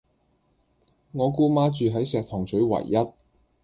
我姑媽住喺石塘嘴維壹